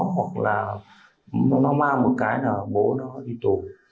hoặc là nó mang một cái là bố nó đi tù